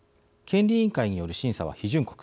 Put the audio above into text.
権利委員会による審査は、批准国